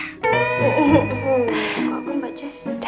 kok aku mbak cis